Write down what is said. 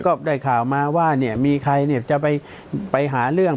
ก็ได้ข่าวมาว่าเนี่ยมีใครเนี่ยจะไปหาเรื่อง